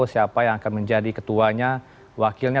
siapa yang akan menjadi ketuanya wakilnya